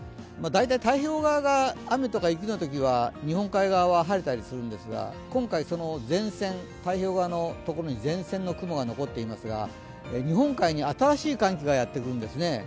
大体、太平洋側が雨とか雪のときは日本海側は晴れたりするんですが、今回、太平洋側に前線の雲が残っていますが、日本海に新しい寒気がやってくるんですね。